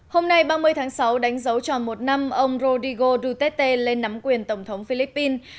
hôm nay ba mươi tháng sáu đánh dấu tròn một năm ông rodrigo duterte lên nắm quyền tổng thống philippines